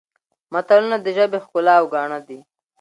متلونه د ژبې ښکلا او ګاڼه دي